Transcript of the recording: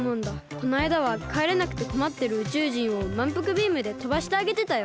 こないだはかえれなくてこまってる宇宙人をまんぷくビームでとばしてあげてたよ。